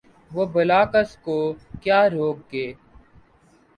وہ بلا کس کو کیا روک گے